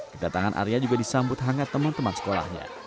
kedatangan arya juga disambut hangat teman teman sekolahnya